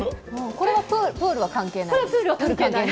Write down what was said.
これはプールは関係ない？